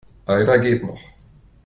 Einer geht noch.